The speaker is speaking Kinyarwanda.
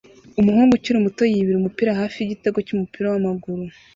Umuhungu ukiri muto yibira umupira hafi yigitego cyumupira wamaguru